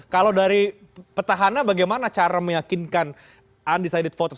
kalau dari petahana bagaimana cara meyakinkan undecided voters